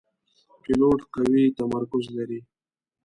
پیلوټ قوي تمرکز لري.